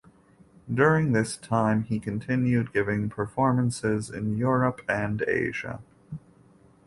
During this time he continued giving performances in Europe and Asia.